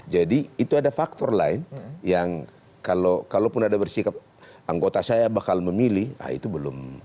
jadi itu ada faktor lain yang kalau pun ada bersikap anggota saya bakal memilih nah itu belum